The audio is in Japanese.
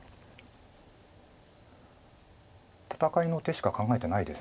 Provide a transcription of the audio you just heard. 戦いの手しか考えてないです